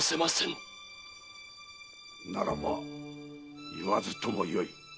ならば言わずともよい。